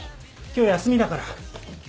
今日休みだから。